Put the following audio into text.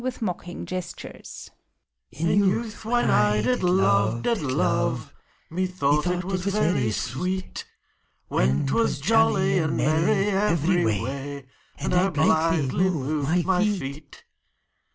In youth when I did love, did love, Methought it was very sweet ; When 't was jolly and merry every way, And I blithely moved my feet.